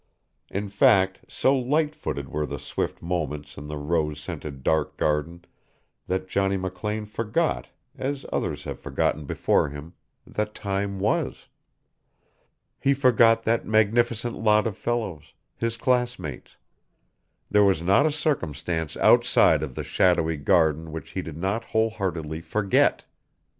In fact so light footed were the swift moments in the rose scented dark garden that Johnny McLean forgot, as others have forgotten before him, that time was. He forgot that magnificent lot of fellows, his classmates; there was not a circumstance outside of the shadowy garden which he did not whole heartedly forget.